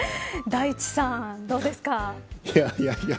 大地さん、どうですか。